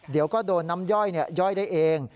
เดี๋ยวก็โดนน้ำย่อยย่อยได้เอง